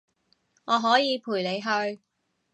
我可以陪你去